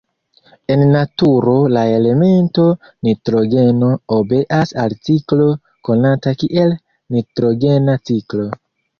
En naturo, la elemento nitrogeno obeas al ciklo konata kiel nitrogena ciklo.